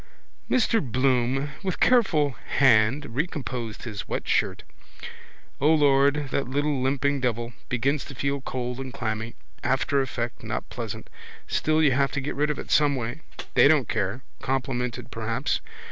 Mr Bloom with careful hand recomposed his wet shirt. O Lord, that little limping devil. Begins to feel cold and clammy. Aftereffect not pleasant. Still you have to get rid of it someway. They don't care. Complimented perhaps.